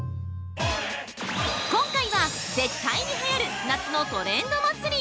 ◆今回は絶対にはやる夏のトレンド祭り。